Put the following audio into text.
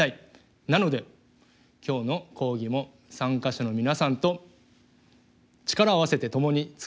なので今日の講義も参加者の皆さんと力を合わせて共に作り上げていきたいと思っています。